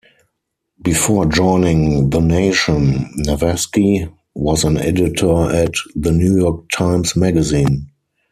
Before joining "The Nation," Navasky was an editor at "The New York Times Magazine.